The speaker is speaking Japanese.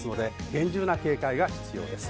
厳重な警戒が必要です。